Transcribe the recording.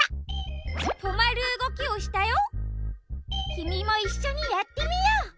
きみもいっしょにやってみよう。